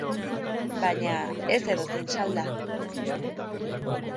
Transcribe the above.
Baina, ez edozein salda.